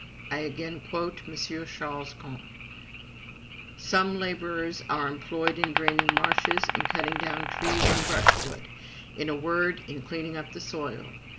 I again quote M. Ch. Comte: "Some laborers are employed in draining marshes, in cutting down trees and brushwood, in a word, in cleaning up the soil.